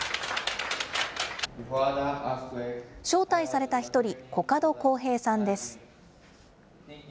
招待された一人、古角航平さんです。